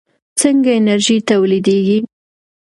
څنګه انرژي تولیدېږي؟